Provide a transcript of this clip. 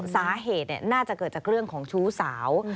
สาเหตุน่าจะเกิดจากเรื่องของชู้สาว